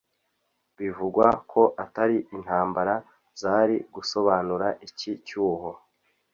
Bivugwa ko atari intambara zari gusobanura iki cyuho